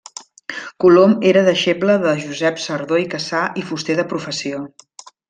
Colom era deixeble de Josep Sardó i Cassà i fuster de professió.